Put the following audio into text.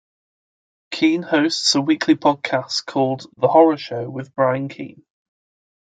Keene hosts a weekly podcast called "The Horror Show With Brian Keene".